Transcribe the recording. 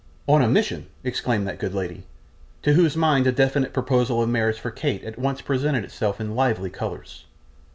'On a mission,' exclaimed that good lady, to whose mind a definite proposal of marriage for Kate at once presented itself in lively colours.